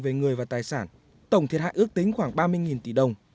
về người và tài sản tổng thiệt hại ước tính khoảng ba mươi tỷ đồng